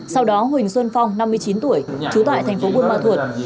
sau đó huỳnh xuân phong năm mươi chín tuổi trú tại thành phố buôn ma thuột